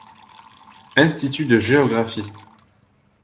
Institut de Géographie,;